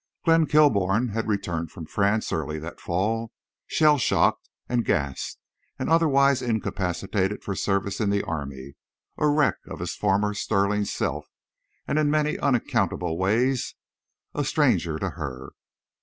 Glenn Kilbourne had returned from France early that fall, shell shocked and gassed, and otherwise incapacitated for service in the army—a wreck of his former sterling self and in many unaccountable ways a stranger to her.